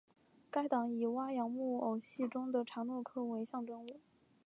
该党以哇扬木偶戏中的查诺科为象征物。